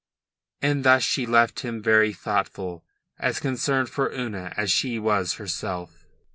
And thus she left him very thoughtful, as concerned for Una as she was herself.